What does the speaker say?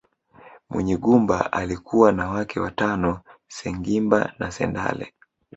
Munyigumba alikuwa na wake watano Sengimba na Sendale